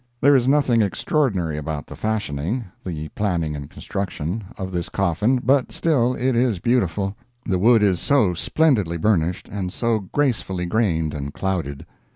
There is nothing extraordinary about the fashioning—the planning and construction—of this coffin, but still it is beautiful. The wood is so splendidly burnished, and so gracefully grained and clouded.